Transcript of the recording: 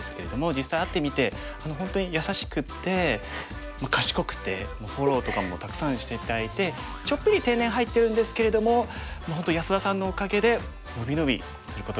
実際会ってみて本当に優しくて賢くてフォローとかもたくさんして頂いてちょっぴり天然入ってるんですけれども本当安田さんのおかげで伸び伸びすることができました。